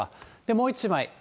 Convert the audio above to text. もう一枚。